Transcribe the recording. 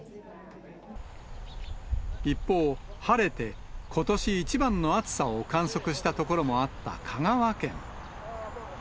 一方、晴れてことし一番の暑さを観測した所もあった香川県。